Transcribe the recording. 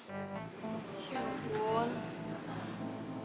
di belakang mas